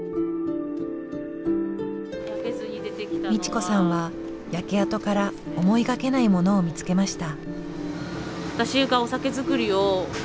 美智子さんは焼け跡から思いがけないものを見つけました。